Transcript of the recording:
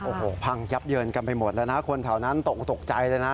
โอ้โหพังยับเยินกันไปหมดแล้วนะคนแถวนั้นตกตกใจเลยนะ